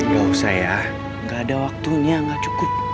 gak usah ya gak ada waktunya gak cukup